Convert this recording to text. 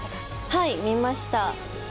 はい、見ました。